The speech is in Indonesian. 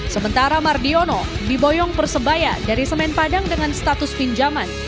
sementara mardiono diboyong persebaya dari semen padang dengan status pinjaman